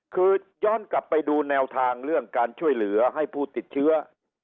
คือย้อนกลับไปดูแนวทางเรื่องการช่วยเหลือให้ผู้ติดเชื้อ